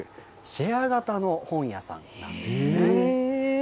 シェア型の本屋さんなんですね。